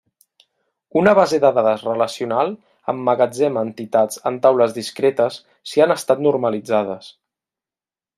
Una base de dades relacional emmagatzema entitats en taules discretes si han estat normalitzades.